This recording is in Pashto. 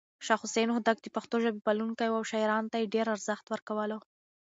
شاه حسين هوتک د پښتو ژبې پالونکی و او شاعرانو ته يې ارزښت ورکولو.